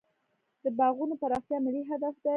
د باغونو پراختیا ملي هدف دی.